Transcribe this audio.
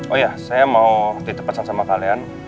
oh ya saya mau ditepatkan sama kalian